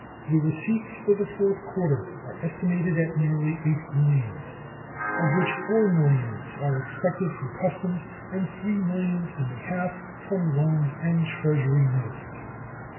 The receipts for the fourth quarter are estimated at nearly eight millions, of which four millions are expected from customs and three millions and a half from loans and Treasury notes.